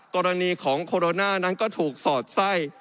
กรณีของโคโรนานั้นก็ถูกสอดไส้